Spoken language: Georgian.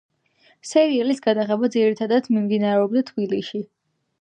სერიალის გადაღება ძირითადად მიმდინარეობდა თბილისში.